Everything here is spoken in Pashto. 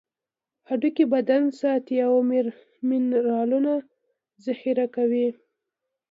هډوکي بدن ساتي او منرالونه ذخیره کوي.